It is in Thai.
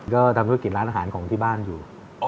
ก็ทำธุรกิจร้านอาหารของที่บ้านอยู่